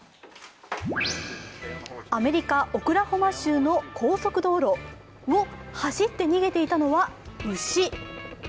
アメリカ・オクラホマ州の高速道路を走って逃げていたのは牛。